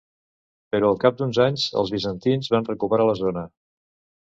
Però al cap d'uns anys els bizantins van recuperar la zona.